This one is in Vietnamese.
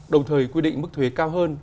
đồng thời quy định mức thuế cao hơn